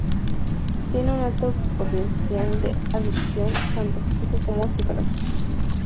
Tienen un alto potencial de adicción, tanto física como psicológica.